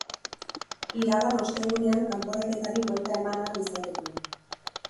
Iragan ostegunean kanporaketari buelta eman ahal izateko.